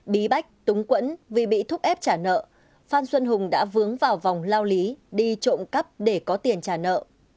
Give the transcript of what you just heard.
bí bách túng quẫn vì bị thúc ép trả nợ phan xuân hùng đã vướng vào vòng lao lý đi trộm cắp để có tiền trả nợ